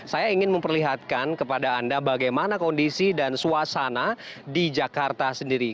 saya ingin memperlihatkan kepada anda bagaimana kondisi dan suasana di jakarta sendiri